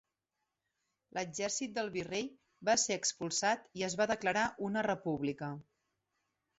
L'exèrcit del virrei va ser expulsat i es va declarar una república.